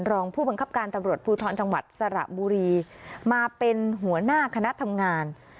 รองผู้บังคับการตำรวจภูทรจังหวัดสระบุรีมาเป็นหัวหน้าคณะทำงาน